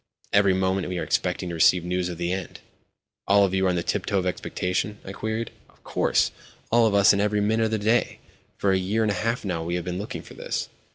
Every moment we are expecting to receive news of the end." "All of you are on the tiptoe of expectation?" I queried. "Of course—all of us, and every minute of the day. For a year and a half now we have been looking for this."